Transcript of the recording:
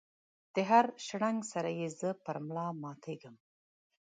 دهر شرنګ سره یې زه پر ملا ماتیږم